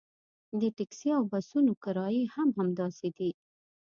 د ټکسي او بسونو کرایې هم همداسې دي.